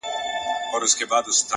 هره ورځ د زده کړې نوې موقع ده!